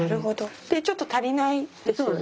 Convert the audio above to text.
ちょっと足りないですよね。